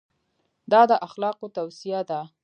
دا د اخلاقو توصیه ده.